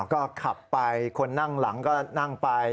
ก็ขับไปคนนั่งหลังก็นั่งไป